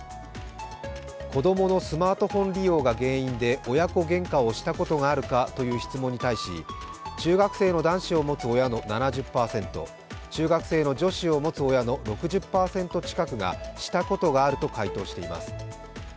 子供のスマートフォン利用が原因で親子げんかをしたことがあるかという質問に対し中学生の男子を持つ親の７０％、中学生の女子を持つ親の６０％近くがしたことがあると回答しています。